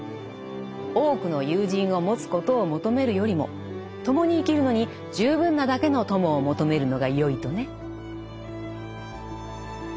多くの友人を持つことを求めるよりも共に生きるのに十分なだけの友を求めるのがよいとね。